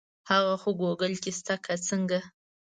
هغه خو ګوګل کې شته که څنګه.